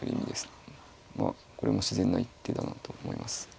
まあこれも自然な一手だなと思います。